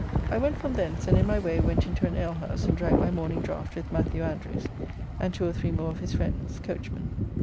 I went from thence, and in my way went into an alehouse and drank my morning draft with Matthew Andrews and two or three more of his friends, coachmen.